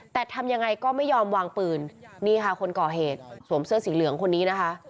แต่ทำยังไงก็ไม่ยอมวางปืนนี่ค่ะคนก่อเหตุสวมเสื้อสีเหลืองคนนี้นะคะ